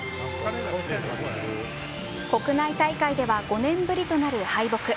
国内大会では５年ぶりとなる敗北。